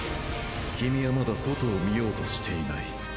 君はまだ世界を見ようとしていない。